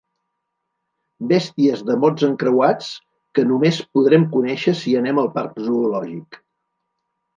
Bèsties de mots encreuats que només podrem conèixer si anem al parc zoològic.